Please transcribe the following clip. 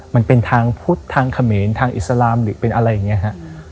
มันเป็นทางพุทธทางเขมรทางอิสลามหรือเป็นอะไรอย่างนี้ฮะ